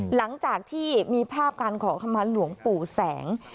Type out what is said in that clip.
หลังจากที่มีภาพการขอขมาหลวงปู่แสง